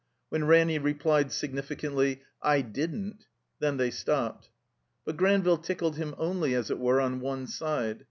When Ranny replied significantly, I didn't." Then they stopped. But Granville tidded him only, as it were, on one side.